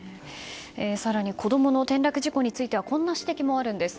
更に子供の転落事故についてはこんな指摘もあるんです。